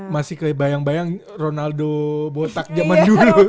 masih kayak bayang bayang ronaldo botak zaman dulu